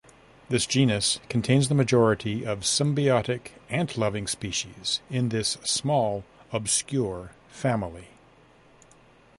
This genus contains the majority of symbiotic 'ant-loving' species in this small, obscure family.